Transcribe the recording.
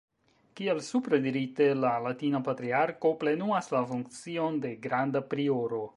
Kiel supre dirite, la latina Patriarko plenumas la funkcion de Granda Prioro.